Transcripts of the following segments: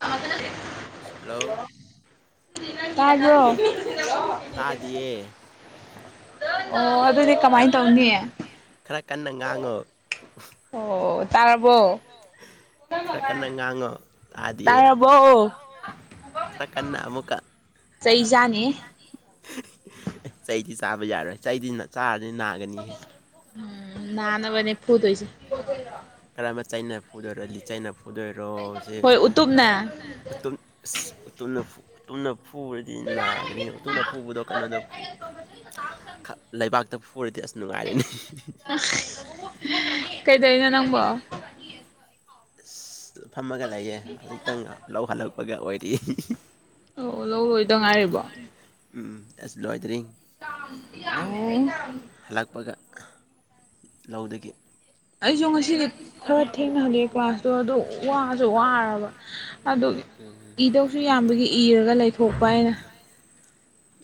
ꯊꯃ ꯀꯅ ꯂꯩ ꯍꯜꯂꯣ ꯀꯥꯖꯣ ꯈꯔ ꯈꯔ ꯀꯟꯅ ꯉꯥꯡꯉꯣ ꯑꯣ ꯈꯔ ꯀꯟꯅ ꯉꯥꯡꯉꯣ ꯇꯥꯗꯤꯌꯦ ꯈꯔ ꯀꯅ ꯑꯃ ꯑꯃꯨꯀ ꯑꯦ ꯆꯩꯗꯤ ꯆꯥꯕ ꯌꯥꯔꯣꯏ ꯆꯩꯗꯤ ꯆꯥꯔꯗꯤ ꯅꯥꯒꯅꯤꯍꯦ ꯝ ꯅ ꯅ ꯐꯨ ꯇꯣꯏꯁ ꯀꯔ ꯑꯃ ꯆꯩꯅ ꯐꯨꯗꯣꯏꯔꯣ ꯂꯤ ꯆꯩꯥꯏꯅ ꯐꯨꯗꯣꯏꯔꯣ ꯁꯤ ꯇꯅꯐꯨ ꯇꯨꯝꯅ ꯐꯨꯨꯔꯗꯤ ꯅꯥꯒꯅꯤ ꯇꯨꯝꯅ ꯐꯨꯕꯗꯣ ꯀꯩꯅꯣꯗ ꯂꯩꯕꯥꯛ ꯍꯛꯇꯛ ꯐꯨꯔꯗꯤ ꯑꯁ ꯅꯨꯡꯉꯥꯏꯔꯅꯤ ꯀꯩꯗꯧꯅꯣ ꯅꯪꯕꯣ ꯐꯝꯃꯒ ꯂꯩꯌꯦꯦ ꯍꯧꯖꯤꯛꯇꯪ ꯂꯧꯍꯜꯂꯛꯄꯒ ꯑꯣꯏꯔꯤ ꯑꯣ ꯂꯧ ꯂꯣꯏꯗ ꯉꯥꯏꯔꯤꯕꯣ ꯎꯝ ꯑꯦꯁꯕ꯭ꯂꯣꯏꯗꯔꯤ [inaudible] ꯍꯜꯂꯛꯄꯒ ꯂꯧꯗꯒꯤ ꯑꯩꯁꯨ ꯉꯁꯤꯗꯤ ꯈꯔ ꯊꯦꯡꯅꯍꯜꯂꯦ ꯀ꯭ꯂꯥꯁꯇꯣ ꯑꯗꯨ ꯋꯥꯁꯨ ꯋꯥꯔꯕ ꯑꯗꯨ ꯏꯗꯧꯁꯨ ꯌꯥꯝꯕꯒꯤ ꯏꯔꯒ ꯂꯩꯊꯣꯛꯄ ꯍꯥꯏꯩꯅ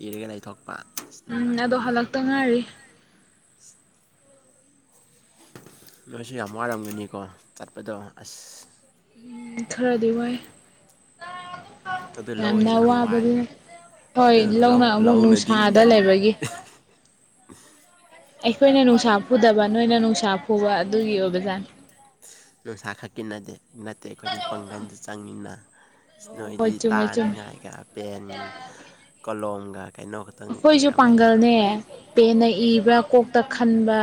ꯏꯔꯒ ꯂꯩꯊꯣꯛꯄ ꯎꯝ ꯑꯗꯣ ꯍꯜꯂꯛꯇ ꯉꯔꯤ ꯅꯣꯏꯁꯨ ꯌꯥꯝ ꯋꯥꯂꯝꯝꯒꯅꯤꯀꯣ ꯇꯠꯄꯗꯣ ꯑꯁ ꯈꯔꯗꯤ ꯋꯥꯏ ꯌꯥꯝꯅ ꯋꯥꯕꯗꯤ ꯍꯣꯏ ꯂꯧꯅ ꯑꯃꯨꯛ ꯅꯨꯡꯁꯥꯗ ꯂꯩꯕꯒꯤ [unintelligible] ꯑꯩꯈꯣꯏꯅ ꯅꯨꯡꯁꯥ ꯐꯨꯗꯕ ꯅꯣꯏꯅ ꯅꯨꯡꯁꯥ ꯐꯨꯕ ꯑꯗꯨꯒꯤ ꯑꯣꯏꯕꯖꯥꯠꯅꯤ ꯅꯨꯡꯁꯥ ꯈꯛꯀꯤ ꯅꯗꯦ ꯅꯠꯇꯦ ꯑꯩꯈꯣꯏꯗꯤ ꯄꯥꯡꯒꯜꯁꯤ ꯆꯪꯅꯤꯅ ꯅꯣꯏꯗꯤ ꯇꯥꯅꯤꯡꯉꯥꯏꯒ ꯄꯦꯟ ꯀꯣꯂꯣꯝꯒ ꯀꯩꯅꯣꯒ ꯑꯩꯈꯣꯏꯁꯨ ꯄꯥꯡꯒꯜꯅꯦ ꯄꯦꯟꯅ ꯏꯕ ꯀꯣꯛꯇ ꯈꯟꯕ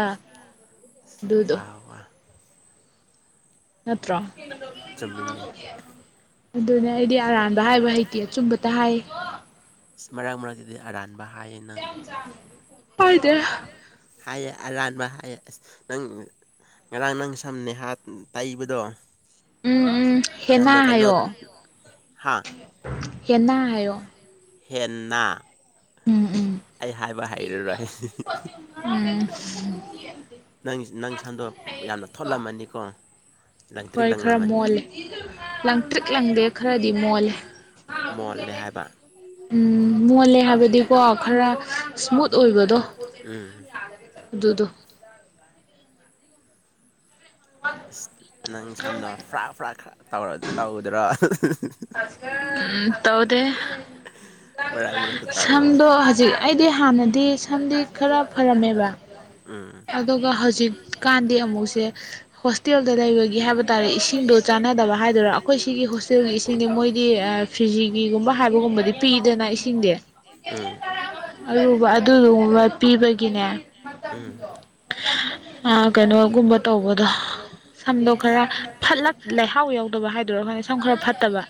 ꯋꯥ ꯋꯥ ꯅꯠꯇ꯭ꯔꯣ ꯆꯝꯃꯤꯟꯅꯦ ꯑꯗꯨꯅ ꯑꯩꯗꯤ ꯑꯔꯥꯟꯕ ꯍꯥꯏꯕ ꯍꯩꯇꯦ ꯑꯆꯨꯝꯕꯇ ꯍꯥꯏꯌꯦ ꯃꯔꯥꯡ ꯃꯥꯡ ꯑꯔꯥꯟ ꯐꯣꯏꯗꯦ ꯍꯥꯏꯌꯦ ꯑꯔꯥꯟꯕ ꯍꯥꯏꯌꯦ ꯑꯁ ꯅꯪ ꯉꯔꯥꯡ ꯅꯪ ꯁꯝ ꯅꯦꯍꯥ ꯇꯩꯕꯗꯣ ꯌꯥꯃ ꯀ ꯅ ꯍꯥꯥ ꯀꯟꯅ ꯍꯥꯏꯣ ꯍꯦꯟꯅ ꯎꯝ ꯎꯝ ꯎꯝ ꯎ ꯅꯪ ꯅꯪ ꯁꯟꯗꯣ ꯌꯥꯝꯅ ꯊꯣꯠꯂꯝꯃꯅꯤꯀꯣ ꯍꯣꯏ ꯈꯔ ꯃꯣꯜꯂꯦ ꯂꯪꯇ꯭ꯔꯤꯛ ꯂꯪꯗꯦ ꯈꯔꯗꯤ ꯃꯣꯜꯂꯦ ꯃꯜꯗꯦ ꯍꯥꯏꯕ ꯎꯝ ꯃꯣꯜꯂꯦ ꯍꯥꯏꯕꯗꯤꯀꯣ ꯈꯔ ꯏꯁꯃꯨꯠ ꯑꯣꯏꯕꯗꯣ ꯑꯗꯨꯗꯣ [unintelligible] ꯅꯪ ꯁꯝꯅ ꯐ꯭ꯔꯥꯛ ꯐ꯭ꯔꯥꯛ ꯈꯔꯧ ꯇꯧꯗꯔꯣ ꯎꯝ ꯇꯧꯗꯦ ꯁꯝꯗꯣ ꯍꯧꯖꯤꯛ ꯑꯩꯗꯤ ꯍꯥꯟꯅꯗꯤ ꯁꯝꯗꯤ ꯈꯔ ꯐꯔꯝꯃꯦꯕ ꯎꯝ ꯑꯗꯨꯒ ꯍꯧꯖꯤꯛꯀꯥꯟꯗꯤ ꯑꯃꯨꯛꯁꯦ ꯍꯣꯁꯇꯦꯜꯗ ꯂꯩꯕꯒꯤ ꯍꯥꯏꯕ ꯇꯥꯔꯦ ꯏꯁꯤꯡꯗꯣ ꯆꯥꯟꯅꯗꯕ ꯍꯥꯏꯗꯣꯏꯔꯥ ꯑꯩꯈꯣꯏ ꯁꯤꯒꯤ ꯍꯣꯁꯇꯦꯜꯒꯤ ꯏꯁꯤꯡ ꯁꯤꯁꯤꯡꯅꯦ ꯃꯣꯏꯗꯤ ꯐꯤꯖꯤꯒꯤꯒꯨꯝꯕ ꯍꯥꯏꯕꯒꯨꯝꯕꯗꯤ ꯄꯤꯗꯅ ꯏꯁꯤꯡꯗꯤ ꯑꯨꯕ ꯑꯗꯨꯒꯨꯝꯕ ꯄꯤꯕꯒꯤꯅꯦ ꯎꯝ ꯎ ꯑ ꯀꯩꯅꯣꯒꯨꯝꯕ ꯇꯧꯕꯗꯣ ꯁꯝꯗꯣ ꯈꯔ ꯐꯠꯂꯞ ꯂꯩꯍꯥꯎ ꯌꯥꯎꯗꯕ ꯍꯥꯏꯗꯣꯏꯔꯥ ꯗꯨꯝ ꯈꯔ ꯐꯠꯇꯕ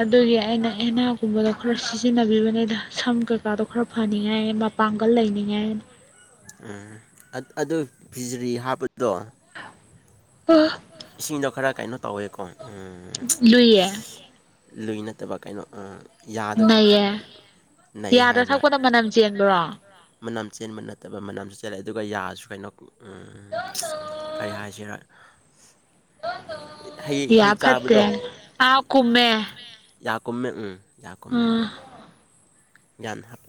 ꯑꯗꯨꯒꯤ ꯑꯩꯅ ꯍꯦꯅ ꯒꯨꯝꯕꯗꯣ ꯈꯔ ꯁꯤꯖꯤꯟꯅꯕꯤꯕꯅꯦꯗ ꯁꯝ ꯀꯩꯀꯥꯗꯣ ꯈꯔ ꯐꯅꯤꯡꯉꯥꯏ ꯎꯝ ꯑꯗꯨ ꯐꯤꯖꯔꯤ ꯍꯥꯞꯄꯗꯣ ꯑ ꯏꯁꯤꯡꯗꯣ ꯈꯔ ꯀꯩꯅꯣ ꯇꯧꯋꯦꯀꯣ ꯎꯝ ꯂꯨꯏ ꯅꯠꯇꯕ ꯀꯩꯅꯣ ꯌꯥꯗ ꯅꯩꯌꯦ ꯍꯥꯏꯕ꯭ꯔꯥ ꯃꯅꯝ ꯆꯦꯟꯕ ꯅꯠꯇꯕ ꯃꯅꯝꯁꯨ ꯆꯦꯜꯂꯦ ꯑꯗꯨꯒ ꯌꯥꯔꯁꯨ ꯀꯩꯅꯣ ꯎꯝ ꯀꯔꯤ ꯍꯥꯏꯁꯤꯔꯥ [unintelligible] ꯍꯩ ꯍꯩ ꯆꯥꯕꯗꯣ ꯌꯥ ꯀꯨꯝꯃꯦ ꯎꯝ ꯌꯥ ꯀꯨꯝꯃꯦ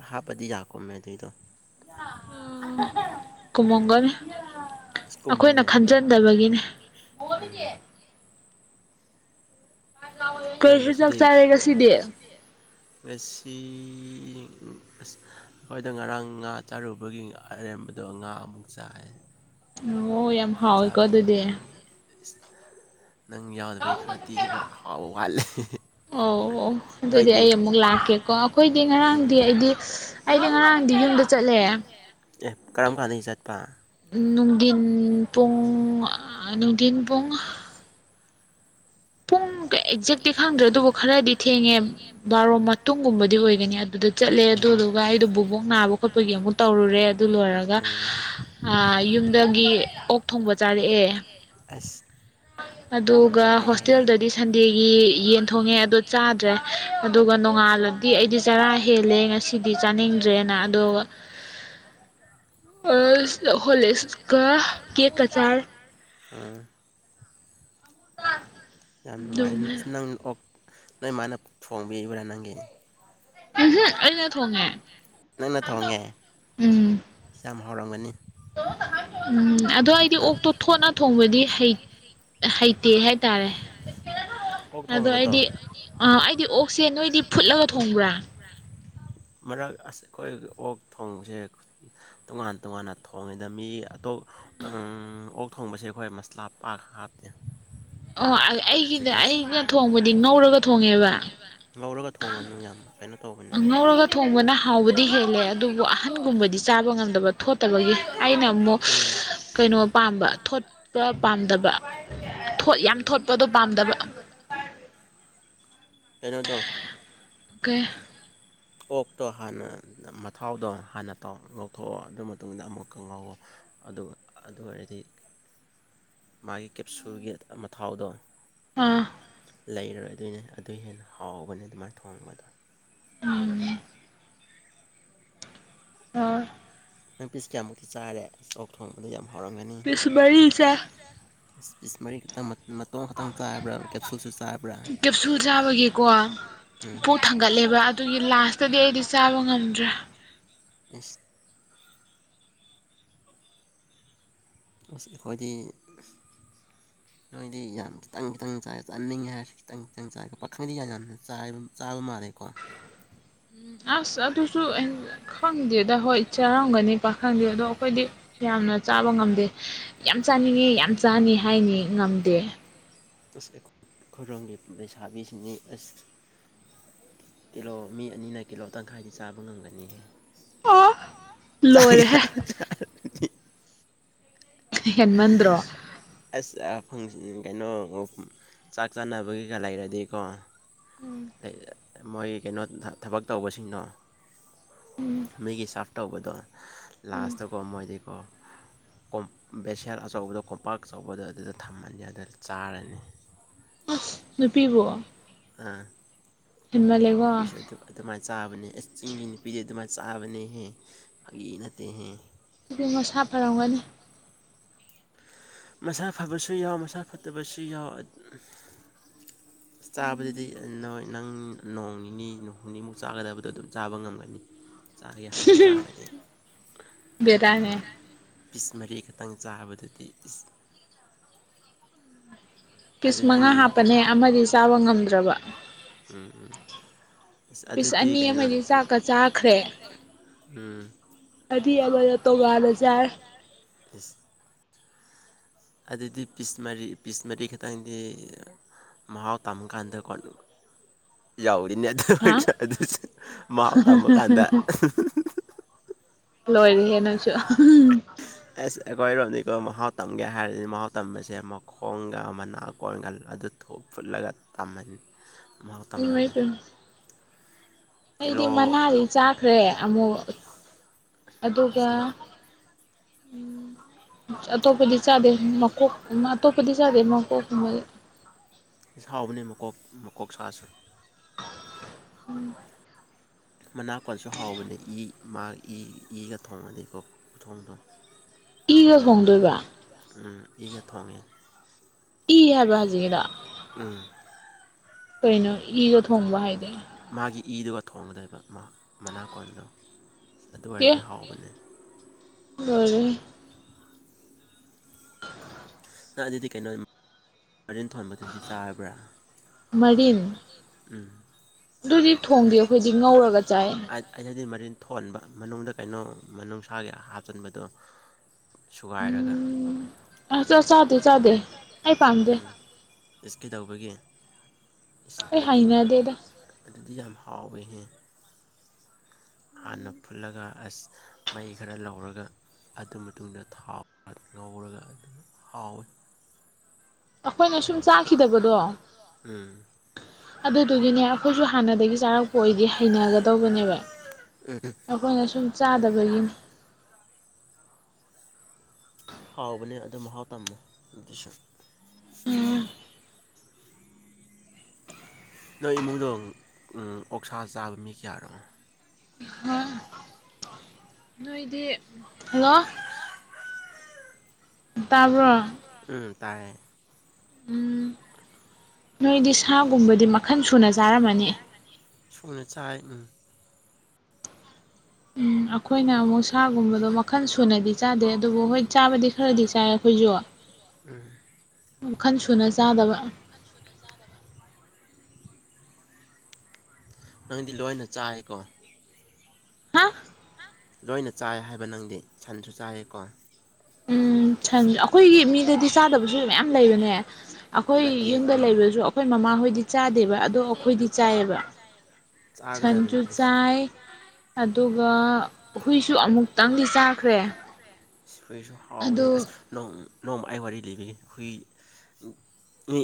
ꯍꯥꯞꯕꯗꯤ ꯌꯥ ꯀꯨꯝꯃꯦ ꯑꯗꯨꯏꯗꯣ [inaudible] ꯀꯨꯝꯕꯅꯦ ꯎꯝꯝ ꯀꯩꯁꯨ ꯆꯥꯛ ꯆꯥꯔꯦ ꯉꯁꯤꯗꯤ ꯉꯁꯤ ꯑꯩꯈꯣꯏꯗ ꯉꯔꯥꯡ ꯉꯥ ꯆꯥꯔꯨꯕꯒꯤ ꯑꯔꯦꯝꯕꯗꯣ ꯉꯥ ꯑꯃꯨꯛ ꯆꯥꯏ ꯑꯣ ꯌꯥꯝ ꯍꯥꯎꯋꯦꯀꯣ ꯑꯗꯨꯗꯤ ꯅꯪ ꯌꯥꯎꯗꯕꯩ ꯈꯔꯗꯤ ꯋ ꯍꯥꯎꯕ ꯋꯥꯠꯂꯦ ꯑꯣ ꯑꯗꯨꯗꯤ ꯑꯩ ꯑꯃꯨꯛ ꯂꯥꯛꯀꯦꯀꯣ ꯑꯩꯈꯣꯏꯗꯤ ꯉꯔꯥꯡꯗꯤ ꯑꯩꯗꯤ ꯑꯩꯗꯤ ꯉꯔꯥꯡꯗꯤ ꯌꯨꯝꯗ ꯆꯠꯂꯦ ꯑꯦ ꯀꯔꯝ ꯀꯥꯟꯗꯩ ꯆꯠꯄ ꯅꯨꯡꯗꯤꯟ ꯄꯨꯡ ꯅꯨꯡꯗꯤꯟ ꯄꯨꯡ ꯄꯨꯡ ꯑꯦꯛꯖꯦꯛꯇꯤ ꯈꯪꯗ꯭ꯔꯦ ꯑꯗꯨꯕꯨ ꯈꯔꯗꯤ ꯊꯦꯡꯉꯦ ꯕꯥꯔꯣ ꯃꯇꯨꯡꯒꯨꯝꯕꯗꯤ ꯑꯣꯏꯒꯅꯤ ꯑꯗꯨꯗ ꯆꯠꯂꯦ ꯑꯗꯨꯗꯨꯒ ꯑꯩꯗꯣ ꯕꯨꯕꯣꯛ ꯅꯥꯕ ꯈꯣꯠꯄꯒꯤ ꯑꯃꯨꯛ ꯇꯧꯔꯨꯔꯦ ꯑꯗꯨ ꯂꯣꯏꯔꯒ ꯑ ꯌꯨꯝꯗꯒꯤ ꯑꯣꯛ ꯊꯣꯡꯕ ꯆꯥꯔꯛꯑꯦ ꯑꯁ ꯑꯗꯨꯒ ꯍꯣꯁꯇꯦꯜꯗꯗꯤ ꯁꯟꯗꯦꯒꯤ ꯌꯦꯟ ꯊꯣꯡꯉꯦ ꯑꯗꯣ ꯆꯥꯗ꯭ꯔꯦ ꯑꯗꯨꯒ ꯅꯣꯡꯉꯥꯜꯂ ꯗꯤ ꯑꯩꯗꯤ ꯆꯔꯥ ꯍꯦꯜꯂꯦ ꯉꯁꯤꯗꯤ ꯆꯥꯅꯤꯡꯗ꯭ꯔꯦꯅ ꯑꯗꯨꯒ ꯑꯁ ꯍꯣꯂꯤꯁ ꯀ ꯀꯦꯛꯀ ꯆꯥꯔꯦ ꯑꯥ ꯌꯥꯝ ꯅꯨꯡꯉꯥꯏꯔꯦꯅ ꯑꯁ ꯅꯪ ꯑꯣꯛ ꯅꯣꯏ ꯃꯥꯅ ꯐꯣꯡꯕꯤꯕꯕ꯭ꯔꯥ ꯅꯪꯒꯤ ꯍꯨꯛ ꯑꯩꯅ ꯊꯣꯡꯉꯦ ꯎꯝ ꯌꯥꯝ ꯍꯥꯎꯔꯝꯒꯅꯤ ꯎꯝ ꯑꯗꯣ ꯑꯩꯗꯤ ꯑꯣꯛꯇꯣ ꯊꯣꯠꯅ ꯊꯣꯡꯕꯗꯤ ꯍꯩ ꯍꯩꯇꯦ ꯍꯥꯏꯇꯥꯔꯦ ꯑꯗꯣ ꯑꯩꯗꯤ ꯑ ꯑꯩꯗꯤ ꯑꯣꯛꯁꯦ ꯅꯣꯏꯗꯤ ꯐꯨꯠꯂꯒ ꯊꯣꯡꯕ꯭ꯔꯥ ꯃꯔꯛ ꯑꯁ ꯑꯩꯈꯣꯏ ꯑꯣꯛ ꯊꯣꯡꯕꯁꯦ ꯇꯣꯉꯥꯟ ꯇꯣꯉꯥꯟꯅ ꯊꯣꯡꯉꯦꯗ ꯃꯤ ꯑꯇꯣꯞ ꯑꯣꯛ ꯊꯣꯡꯕꯁꯦ ꯑꯩꯈꯣꯏ ꯃꯁꯂꯥ ꯄꯥꯛ ꯍꯥꯞꯇꯦ ꯑꯣ ꯑꯩꯒꯤꯗ ꯑꯩꯅ ꯊꯣꯡꯕꯗꯤ ꯉꯧꯔꯒ ꯊꯣꯡꯉꯦꯕ ꯉꯧꯔꯒ ꯊꯣꯡꯒꯅꯨ ꯌꯥꯝ ꯀꯩꯅꯣ ꯇꯧꯕꯅꯦ ꯉꯧꯔꯒ ꯊꯣꯡꯕꯅ ꯍꯥꯎꯕꯗꯤ ꯍꯦꯜꯂꯦ ꯑꯗꯨꯕꯨ ꯑꯍꯟꯒꯨꯝꯕꯗꯤ ꯆꯥꯕ ꯉꯝꯗꯕ ꯊꯣꯠꯇꯕꯒꯤ ꯑꯩꯅ ꯑꯃꯨꯛ ꯀꯩꯅꯣ ꯄꯥꯝꯕ ꯊꯣꯠ ꯄ ꯄꯥꯝꯗꯕ ꯊꯣꯠ ꯌꯥꯝ ꯊꯣꯠꯄꯗꯣ ꯄꯥꯝꯗꯕ ꯇꯩꯅꯣꯗꯣ ꯀꯩ ꯑꯣꯛꯇꯣ ꯍꯥꯟꯅ ꯃꯊꯥꯎꯗꯣ ꯍꯥꯟꯅ ꯇ ꯉꯧꯊꯣꯛꯑꯣ ꯑꯗꯨ ꯃꯇꯨꯡꯗ ꯑꯃꯨꯛꯀ ꯉꯧꯑꯣ꯫ ꯑꯗꯨꯒ ꯑꯗꯨ ꯑꯣꯏꯔꯗꯤ꯫ ꯃꯥꯒꯤ ꯀꯦꯞꯁꯨꯜꯒꯤ ꯃꯊꯥꯎꯗꯣ꯫ ꯑꯥ꯫ ꯂꯩꯔꯣꯏ ꯑꯗꯨꯏꯅꯦ ꯑꯗꯨꯏ ꯍꯦꯟꯅ ꯍꯥꯎꯕꯅꯦ ꯑꯗꯨꯃꯥꯏꯅ ꯊꯣꯡꯕꯗꯣ ꯑꯝ ꯑꯣ ꯅꯪ ꯄꯤꯁ ꯀꯌꯥꯃꯨꯛꯇꯤ ꯆꯥꯔꯦ ꯑꫭꯛ ꯊꯣꯡꯕꯗ ꯌꯥꯝ ꯍꯧꯔꯝꯒꯅꯤ ꯄꯤꯁ ꯃꯔꯤ ꯆꯥꯏ ꯏꯁ ꯄꯤꯁ ꯃꯔꯤ ꯈꯛꯇꯪ ꯃꯇꯣꯟ ꯈꯛꯇꯪ ꯆꯥꯕ꯭ꯔꯥ ꯀꯦꯞꯁꯨꯜꯁꯨ ꯆꯥꯕ꯭ꯔꯥ ꯀꯦꯞꯁꯨꯜ ꯆꯥꯕꯒꯤꯀꫭ ꯄꯨꯨꯛ ꯊꯪꯒꯠꯂꯦꯕ ꯑꯗꯨꯒꯤ ꯂꯥꯁꯇꯗꯤ ꯑꯩꯗꯤ ꯆꯥꯕ ꯉꯝꯗ꯭ꯔꯦ ꯏꯁ ꯏꯁ ꯑꯩꯈꯣꯏꯗꯤ [inaudible] ꯅꯣꯏꯗꯤ ꯌꯥꯝ ꯈꯤꯇꯪ ꯈꯤꯇꯪ ꯆꯥꯏ ꯆꯥꯅꯤꯡꯉꯦ ꯍꯥꯏꯔꯁꯨ ꯈꯤꯇꯪ ꯈꯤꯇꯪ ꯆꯥꯏ ꯄꯥꯈꯜꯗꯤ ꯌꯥꯝ ꯌꯥꯝ ꯆꯥꯕ ꯃꯥꯜꯂꯦꯀꫭ ꯑꯁ ꯑꯗꯨꯁꯨ ꯑꯩ ꯈꯪꯗꯦꯗ ꯍꯣꯏ ꯆꯥꯔꯝꯒꯅꯤ ꯄꯥꯈꯪꯗꯤ ꯑꯗꯣ ꯑꯩꯈꯣꯏꯗꯤ ꯌꯥꯝꯅ ꯆꯥꯕ ꯉꯝꯗꯦ ꯌꯥꯝ ꯆꯥꯅꯤꯡꯉꯤ ꯌꯥꯝ ꯆꯥꯅꯤ ꯍꯥꯏꯅꯤ ꯉꯝꯗꯦ ꯑꯁ ꯑꯩꯈꯣꯏ ꯈꯣꯏꯔꯣꯡꯒꯤ ꯂꯩꯁꯥꯕꯤꯁꯤꯡꯗꯤ ꯑꯁ ꯀꯤꯂꯣ ꯃꯤ ꯑꯅꯤꯅ ꯀꯤꯂꯣ ꯇꯪꯈꯥꯏꯗꯤ ꯆꯥꯕ ꯉꯝꯒꯅꯤꯍꯦ ꯑꯥ ꯆꯥꯡꯒꯦ ꯍꯦꯟꯃꯟꯗ꯭ꯔꯣ ꯑꯁ ꯀꯩꯅꯣ ꯆꯥꯛ ꯆꯥꯅꯕꯒꯤꯒ ꯂꯩꯔꯗꯤꯀꯣ ꯎꯝ ꯃꯣꯏ ꯀꯩꯅꯣ ꯊꯕꯛ ꯇꯧꯕꯁꯤꯡꯅꯣ ꯃꯤꯒꯤ ꯆꯥꯛ ꯇꯧꯕꯗꯣ ꯂꯥꯁꯇꯀꯣ ꯃꯣꯏꯗꯤꯀꯣ ꯀꫭꯝ ꯕꯦꯁꯦꯜ ꯑꯆꯧꯕꯗꯣ ꯀꯣꯝꯄꯥꯛ ꯑꯆꯧꯕꯗꯣ ꯑꯗꯨꯗ ꯊꯝꯃꯅꯤ ꯑꯗꯨꯗ ꯆꯥꯔꯅꯤ ꯑꯁ ꯅꯨꯄꯤꯕꯨ ꯑꯥ ꯑꯣꯐꯤꯁ ꯆꯠꯇꫭꯏꯕ ꯑꯗꯨꯃꯥꯏ ꯆꯥꯕꯅꯦ ꯑꯦ ꯆꯤꯡꯒꯤ ꯅꯨꯄꯤꯗꯤ ꯑꯗꯨꯃꯥꯏꯅ ꯆꯥꯕꯅꯦꯍꯦ ꯐꯥꯒꯤ ꯅꯠꯇꯦꯍꯦ ꯑꯗꯨꯗꯤ ꯃꯁꯥ ꯐꯔꯝꯒꯅꯤ ꯃꯁꯥ ꯐꯕꯁꯨ ꯌꯥꯎ ꯃꯁꯥ ꯐꯠꯇꯕꯁꯨ ꯌꯥꯎ ꯆꯥꯕꯗꯨꯗꯤ ꯅꯣꯏ ꯅꯪ ꯅꯣꯡ ꯅꯤꯅꯤ ꯅꯣꯡ ꯅꯤꯃꯨꯛ ꯆꯥꯒꯗꯕꯗꯣ ꯑꯗꯨꯝ ꯆꯥꯕ ꯉꯝꯒꯅꯤ ꯆꯥꯒꯦ ꯍꯥꯏꯅ ꯆꯥꯔꯗꯤ ꯕꯦꯔꯥꯅꯦ ꯄꯤꯁ ꯃꯔꯤ ꯈꯛꯇꯪ ꯆꯥꯕꯗꯗꯤ ꯏꯁ ꯄꯤꯁ ꯃꯪꯉꯥ ꯍꯥꯞꯄꯅꯦ ꯑꯃꯗꯤ ꯆꯥꯕ ꯉꯝꯗ꯭ꯔꯕ ꯄꯤꯁ ꯑꯅꯤ ꯑꯃꯗꯤ ꯆꯥꯛꯀ ꯆꯥꯈ꯭ꯔꯦ ꯑꯅꯤ ꯑꯃꯅ ꯇꯣꯉꯥꯟꯅ ꯆꯥꯔꯦ ꯏꯁ ꯑꯗꯨꯗꯤ ꯄꯤꯁ ꯃꯔꯤ ꯄꯤꯁ ꯃꯔꯤ ꯈꯛꯇꯪꯗꯤ ꯃꯍꯥꯎ ꯇꯝ ꯀꯥꯟꯗꯀꫭ ꯑꯗꯨꯝ ꯌꯥꯎꯔꯤꯅꯦ ꯑꯗꯨ ꯑꫭꯏꯔꯁꯨ ꯑꯗꯨꯁꯨ ꯃꯥꯎ ꯇꯝꯃ ꯀꯥꯟꯗ ꯂꯣꯏꯔꯦꯍꯦ ꯅꯪꯁꯨ ꯑꯁ ꯑꯩꯈꯣꯏꯔꯣꯝꯅꯤꯀꯣ ꯃꯍꯥꯎ ꯇꯝꯒꯦ ꯍꯥꯏꯔꯗꯤ ꯃꯍꯥꯎ ꯇꯝꯕꯁꯦ ꯃꯈꯣꯡꯒ ꯃꯅꯥꯀꯣꯟꯒ ꯑꯗꯨ ꯊꫭꯛꯐꯨꯠꯂꯒ ꯇꯝꯃꯅꯤ ꯃꯍꯥꯎ ꯇꯪꯒꯅꯤ ꯑꯩꯗꯤ ꯃꯅꯥꯗꯤ ꯆꯥꯈ꯭ꯔꯦ ꯑꯃꯨꯛ ꯑꯗꯨꯒ ꯎꯝ ꯑꯇꯣꯞꯄꯗꯤ ꯆꯥꯗꯦ ꯃꯀꯣꯛꯀꯨꯝ ꯑꯇꯣꯞꯄꯗꯤ ꯆꯥꯗꯦ ꯃꯀꯣꯛꯀꯨꯝꯕꯗꯤ ꯍꯥꯎꯕꯅꯦ ꯃꯀꯣꯛ ꯃꯀꯣꯛ ꯁꯥꯁꯨ ꯃꯅꯥꯀꯣꯟꯁꯨ ꯍꯥꯎꯕꯅꯦ ꯏ ꯃꯥ ꯏ ꯏꯒ ꯊꯣꯡꯉꯗꯤꯀꯣ ꯈꯨꯊꯣꯡꯗꯣ ꯇꯣꯉꯥꯟꯅ ꯇꯣꯉꯥꯟꯅ ꯇꯣꯡ ꯏꯒ ꯊꯣꯡꯉꯦ ꯎꯝ ꯀꯩꯅꯣ ꯏꯒ ꯊꯣꯡꯕ ꯍꯥꯏꯗꯤ ꯃꯥꯒꯤ ꯏꯗꯨꯒ ꯊꯣꯡꯒꯗꯣꯏꯕ ꯃꯅꯥꯀꯣꯟꯗꯣ ꯑꯗꯨ ꯑꯣꯏꯔꯗꯤ ꯍꯥꯎꯕꯅꯦ ꯑꯣꯏ ꯅꯪ ꯑꯗꯨꯗꯤ ꯀꯩꯅꯣ ꯑꯥꯔꯖꯦꯟ ꯊꯣꯟꯕꯗꯨꯗꯤ ꯆꯥꯔꯕ꯭ꯔꯥ꯫ ꯃꯔꯤꯟ ꯎꯝ ꯑꯗꯨꯗꯤ ꯊꯣꯡꯗꯦ ꯑꯩꯈꯣꯏꯗꯤ ꯉꯧꯔꯒ ꯆꯥꯏ ꯑꯩꯗꯤ ꯑꯗꯨꯢ ꯃꯔꯤꯟ ꯊꯣꯟꯍꯟꯕ ꯃꯅꯨꯡꯗ ꯀꯩꯅꯣ ꯃꯅꯨꯡꯅꯨꯡꯁꯥꯒꯤ ꯍꯥꯞꯆꯤꯟꯕꯗꯣ ꯁꯨꯒꯥꯏꯔꯒ ꯎꯝ ꯑꯦꯁ ꯀꯩꯗꯧꯕꯒꯤ ꯑꯗꯨ ꯑꯗꯨꯗꯤ ꯌꯥꯝ ꯍꯥꯎꯋꯦꯍꯦ ꯍꯥꯟꯅ ꯐꯨꯠꯂꯒ ꯑꯁ ꯃꯩ ꯈꯔ ꯂꯧꯔꯒ ꯑꯗꯨ ꯃꯇꯨꯡꯗ ꯊꯥꯎ ꯉꯧꯔꯒ ꯑꯗꯨꯝ ꯍꯥꯎꯋꯤ ꯑꯩꯈꯣꯏꯅ ꯁꯨꯝ ꯆꯥꯈꯤꯗꯕꯗꯣ ꯎ ꯑꯗꯨꯗꯨꯒꯤꯅꯦ ꯑꯩꯈꯣꯏꯁꯨ ꯍꯥꯟꯅꯗꯒꯤ ꯆꯥꯔꯛꯄ ꯑꯣꯏꯗꯤ ꯍꯩꯅꯒꯗꯧꯕꯅꯦꯕ ꯑꯩꯈꯣꯏꯅ ꯁꯨꯝ ꯆꯥꯗꯕꯒꯤꯅꯤ ꯍꯥꯎꯕꯅꯦ ꯑꯗꯨ ꯃꯍꯥꯎ ꯇꯝꯃꯦ ꯑꯗꯨꯁꯨ ꯅꯣꯏ ꯏꯃꯨꯡꯗꯣ ꯑꯣꯛꯁꯥ ꯆꯥꯕ ꯃꯤ ꯀꯌꯥꯔꯣ ꯍꯥꯥ ꯅꯣꯏꯗꯤ ꯍꯜꯂꯣ ꯎꯝ ꯇꯥꯏꯌꯦ ꯎ ꯅꯣꯏꯗꯤ ꯁꯥꯒꯨꯝꯕꯗꯤ ꯃꯈꯜ ꯁꯨꯅ ꯆꯥꯔꯝꯃꯅꯤ ꯁꯣꯡꯅ ꯆꯥꯏ ꯎꯝ ꯎꯝ ꯑꯩꯈꯣꯏꯅ ꯑꯃꯨꯛ ꯁꯥꯒꯨꯝꯕꯗꯣ ꯃꯈꯜ ꯁꯨꯅꯗꯤ ꯆꯥꯗꯦ ꯑꯗꯨꯕꯨ ꯍꯣꯏ ꯆꯥꯕꯗꯤ ꯈꯔꯗꯤ ꯆꯥꯏ ꯑꯩꯈꯣꯏꯁꯨ ꯎꯝ ꯋꯥꯜ ꯁꯨꯅ ꯆꯥꯗꯕ ꯅꯪꯗꯤ ꯂꯣꯏꯅ ꯆꯥꯏꯀꯣ ꯍꯥ ꯂꯣꯏꯅ ꯆꯥꯏ ꯍꯥꯏꯕ ꯅꯪꯗꯤ ꯁꯟꯁꯨ ꯆꯥꯏꯌꯦꯀꯣ ꯁꯟ ꯑꯩꯈꯣꯏꯒꯤ ꯃꯤꯗꯗꯤ ꯆꯥꯗꯕꯁꯨ ꯃꯌꯥꯝ ꯂꯩꯕꯅꯦ ꯑꯩꯈꯣꯏ ꯌꯨꯝꯗ ꯂꯩꯕꯁꯨ ꯑꯩꯈꯣꯏ ꯃꯃꯥꯍꯣꯏꯗꯤ ꯆꯥꯗꯦꯕ ꯑꯗꯣ ꯑꯩꯈꯣꯏꯗꯤ ꯆꯥꯏꯑꯕ ꯁꯟꯖꯨ ꯆꯥꯏ ꯑꯗꯨꯒ ꯍꯨꯏꯁꯨ ꯑꯃꯨꯛꯇꯪꯗꯤ ꯆꯥꯈ꯭ꯔꯦ ꯑꯗꯣ ꯅꯣꯡ ꯅꯣꯡꯃ ꯑꯩ ꯋꯥꯔꯤ ꯂꯤꯕꯤ ꯍꯨꯏ ꯃꯤ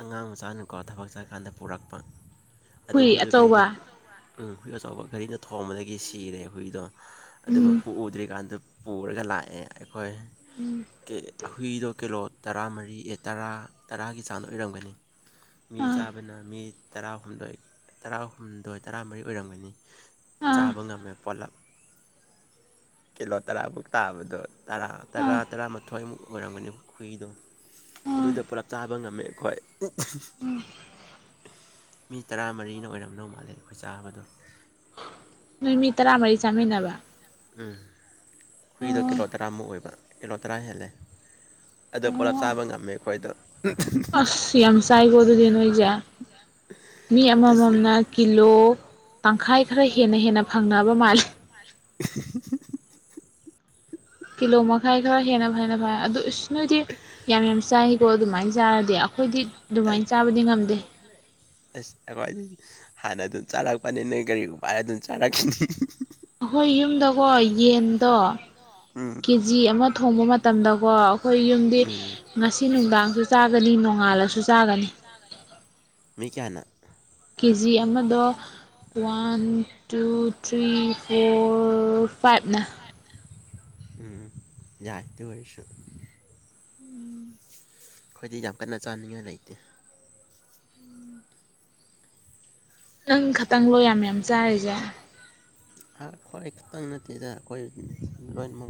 ꯑꯉꯥꯡ ꯃꯆꯥꯅꯀꯣ ꯊꯕꯛ ꯆꯠꯀꯥꯟꯗ ꯄꯨꯔꯛꯄ ꯑꯗꯨ ꯍꯨꯏꯗꯣ ꯒꯥꯔꯤꯅ ꯎꯝ ꯍꯨꯏ ꯑꯆꯧꯕ ꯒꯥꯔꯤꯅ ꯊꯣꯡꯕꯗꯒꯤ ꯁꯤꯔꯦ ꯍꯨꯏꯗꯣ ꯑꯗꯨ ꯃꯄꯨ ꯎꯗ꯭ꯔꯤꯀꯥꯟꯗ ꯄꯨꯔꯒ ꯂꯥꯛꯑꯦ ꯑꯩꯈꯣꯏ ꯎꯝ ꯑꯍꯨꯏꯗꯣ ꯀꯤꯂꯣ ꯇꯔꯥꯃꯔꯤ ꯇꯔꯥ ꯇꯔꯥꯒꯤ ꯆꯥꯡꯗ ꯑꯣꯏꯔꯝꯒꯅꯤ ꯃꯤ ꯆꯥꯕꯅ ꯃꯤ ꯇꯔꯥꯍꯨꯝꯗꯣꯏ ꯇꯔꯥꯍꯨꯝꯗꯣꯏ ꯇꯔꯥꯃꯔꯤ ꯑꯣꯏꯔꯝꯒꯅꯤ ꯆꯥꯕ ꯉꯝꯃꯦ ꯄꯣꯠꯂꯞ ꯀꯤꯂꯣ ꯇꯔꯥꯃꯨꯛ ꯇꯥꯕꯗꯣ ꯇꯔꯥ ꯇꯔꯥ ꯇꯔꯥꯃꯥꯊꯣꯏꯃꯨꯛ ꯑꯣꯏꯔꯝꯒꯅꯤ ꯍꯨꯏꯗꯣ ꯑꯗꯨꯏꯗ ꯄꯨꯂꯞ ꯆꯥꯕ ꯉꯝꯃꯦ ꯑꯩꯈꯣꯏ ꯃꯤ ꯇꯔꯥꯃꯔꯤꯅ ꯑꯣꯏꯔꯝꯗꯧ ꯃꯥꯜꯂꯦ ꯑꯩꯈꯣꯏ ꯆꯥꯕꯗꯣ ꯅꯣꯏ ꯃꯤ ꯇꯔꯥꯃꯔꯤ [unintelligible] ꯎꯝ ꯍꯨꯏꯗꯣ ꯀꯤꯂꯣ ꯇꯔꯥꯃꯨꯛ ꯑꯣꯏꯕ ꯀꯤꯂꯣ ꯇꯔꯥ ꯍꯦꯜꯂꯦ ꯑꯗꯣ ꯄꯨꯂꯞ ꯆꯥꯕ ꯉꯝꯃꯦ ꯑꯩꯈꯣꯏꯗꯣ ꯑꯁ ꯌꯥꯝ ꯆꯥꯏꯀꯣ ꯑꯗꯨꯗꯤ ꯅꯣꯏꯁꯦ ꯃꯤ ꯑꯃꯃꯝꯅ ꯀꯤꯂꯣ ꯇꯪꯈꯥꯏ ꯈꯔ ꯍꯦꯟꯅ ꯍꯦꯟꯅ ꯐꯪꯅꯕ ꯃꯥꯜ [unintelligible] ꯀꯤꯂꯣ ꯃꯈꯥꯏ ꯈꯔ ꯍꯦꯟꯅ ꯐꯅ ꯀꯤꯂꯣ ꯃꯈꯥꯏ ꯇꯔ ꯍꯥꯟꯅ [unintelligible] ꯐꯩ [unintelligible] ꯑꯗꯨ ꯏꯁ ꯅꯣꯏꯗꯤ ꯌꯥꯝ ꯌꯥꯝ ꯆꯥꯏꯀꯣ ꯑꯗꯨꯃꯥꯏꯅ ꯆꯥꯔꯗꯤ ꯑꯩꯈꯣꯏꯗꯤ ꯑꯗꯨꯃꯥꯏꯅ ꯆꯥꯕꯗꯤ ꯉꯝꯗꯦ ꯑꯁ ꯑꯩꯈꯣꯏꯗꯤ ꯍꯥꯟꯅ ꯑꯗꯨꯝ ꯆꯥꯔꯛꯄꯅꯤ ꯅꯣꯏ ꯒꯥꯔꯤꯒꯨꯝꯕ ꯍꯥꯏꯔ ꯑꯗꯨꯝ ꯆꯥꯔꯛꯈꯤꯅꯤ ꯑꯩꯈꯣꯏ ꯌꯨꯝꯗꯀꯣ ꯌꯦꯟꯗꯣ ꯀꯦ ꯖꯤ ꯑꯃ ꯊꯣꯡꯕ ꯃꯇꯝꯗꯀꯣ ꯑꯩꯈꯣꯏ ꯌꯨꯝꯗꯤ ꯉꯁꯤ ꯅꯨꯡꯗꯥꯡꯁꯨ ꯆꯥꯒꯅꯤ ꯅꯣꯡꯉꯥꯜꯂꯁꯨ ꯆꯥꯒꯅꯤ ꯃꯤ ꯀꯌꯥꯅ ꯀꯦ ꯖꯤ ꯑꯃꯗꯣ ꯋꯥꯟ ꯇꯨ ꯊ꯭ꯔꯤ ꯐꯣꯔ ꯐꯥꯏꯕꯅ ꯎꯝ ꯥꯁ ꯑꯣꯏꯩꯁ ꯑꯩꯈꯣꯏꯗꯤ ꯌꯥꯝ ꯀꯟꯅ ꯆꯥꯅꯤꯡꯉꯥꯏ ꯂꯩꯇꯦ ꯅꯪ ꯈꯛꯇꯪ ꯂꯣ ꯌꯥꯝ ꯌꯥꯝ ꯆꯥꯔꯤꯁꯦ ꯑꯩꯈꯣꯏ ꯈꯛꯇꯪ ꯅꯠꯇꯦꯗ ꯑꯩꯈꯣꯏ ꯂꯣꯏꯅꯃꯛ